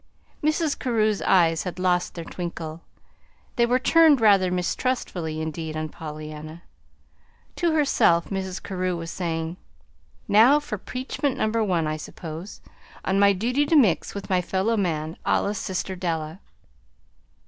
Mrs. Carew's eyes had lost their twinkle. They were turned rather mistrustfully, indeed, on Pollyanna. To herself Mrs. Carew was saying: "Now for preachment number one, I suppose, on my duty to mix with my fellow men, a la Sister Della!"